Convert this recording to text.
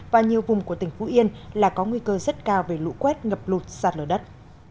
và nhiều vùng của tỉnh phú yên là có nguy cơ rất cao về lũ quét ngập lụt sạt lở đất